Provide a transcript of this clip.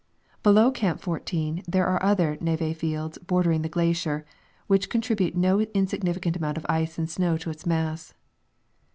Below Camp 14 there are other neve fields bordering the glacier, which contribute no insignificant amount of ice and snow to its mass.